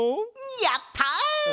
やった！